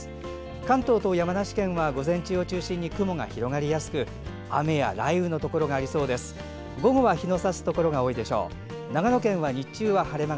関東と山梨県は午前中を中心に雲が広がりやすく雨や雷雨のところがありそうです。